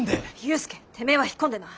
ユースケてめえは引っ込んでな。